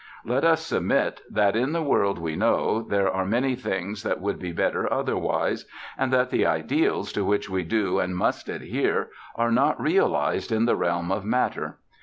Let us admit that, in the world we know there are many things that would be better otherwise, and that the ideals to which we do and must adhere are not realized in the realm of matter.